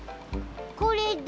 これだ！